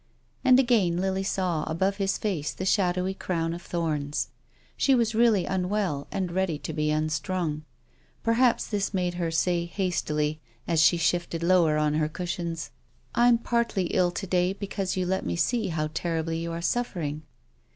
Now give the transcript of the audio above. And again Lily saw above his face the shadowy crown of thorns. She was really unwell atid ready to be unstrung. Pt rhajis tin's made her say hastily, as she shifted lower (jii her cushions; iqS tongues of conscience. " I'm partly ill to day because you let me see how horribly you are suffering."